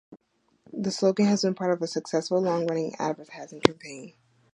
The slogan has been part of a successful, long-running advertising campaign.